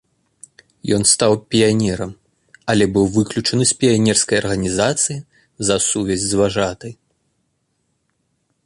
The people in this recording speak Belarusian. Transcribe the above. Ён стаў піянерам, але быў выключаны з піянерскай арганізацыі за сувязь з важатай.